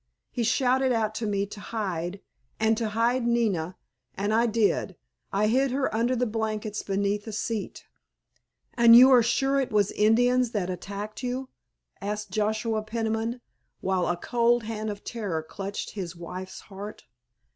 He shouted out to me to hide, and to hide Nina, and I did, I hid her under the blankets beneath the seat——" "And you are sure it was Indians that attacked you?" asked Joshua Peniman, while a cold hand of terror clutched his wife's heart.